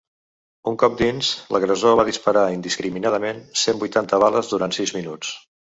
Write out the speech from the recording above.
Un cop dins, l’agressor va disparar indiscriminadament cent vuitanta bales durant sis minuts.